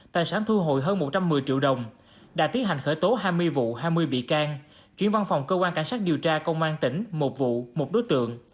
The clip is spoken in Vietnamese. tài sản thu hồi hơn một trăm một mươi triệu đồng đã tiến hành khởi tố hai mươi vụ hai mươi bị can chuyển văn phòng cơ quan cảnh sát điều tra công an tỉnh một vụ một đối tượng